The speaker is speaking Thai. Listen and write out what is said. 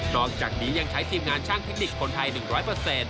อกจากนี้ยังใช้ทีมงานช่างเทคนิคคนไทย๑๐๐